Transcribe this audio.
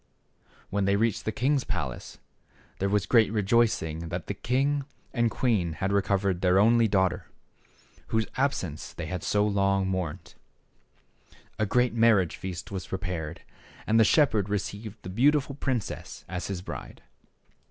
When they reached the king's palace, there was great rejoicing that the king and queen had recovered their only daughter, whose absence they had so long mourned. A great marriage feast was prepared, and the shepherd received the beautiful princess as his bride.